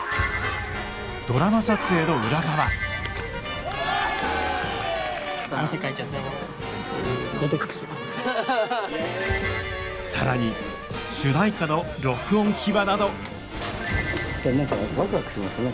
ドラマ撮影の裏側更に主題歌の録音秘話など何かワクワクしますね。